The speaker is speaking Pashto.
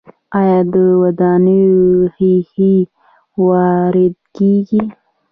آیا د ودانیو ښیښې وارد کیږي؟